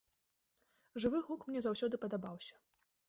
Жывы гук мне заўсёды падабаўся.